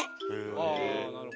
あなるほど。